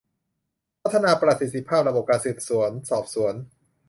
พัฒนาประสิทธิภาพระบบการสืบสวนสอบสวน